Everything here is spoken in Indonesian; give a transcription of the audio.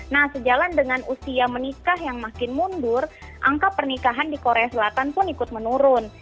nah sejalan dengan usia menikah yang makin mundur angka pernikahan di korea selatan pun ikut menurun